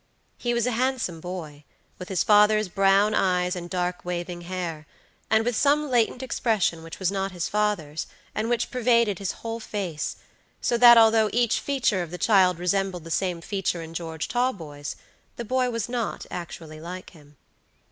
He was a handsome boy, with his father's brown eyes and dark waving hair, and with some latent expression which was not his father's and which pervaded his whole face, so that although each feature of the child resembled the same feature in George Talboys, the boy was not actually like him.